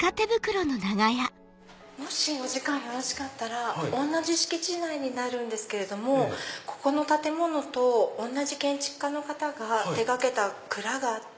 もしお時間よろしかったら同じ敷地内になるんですけどもここの建物と同じ建築家の方が手がけた蔵があって。